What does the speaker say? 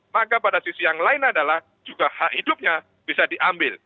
maka pada sisi yang lain adalah juga hak hidupnya bisa diambil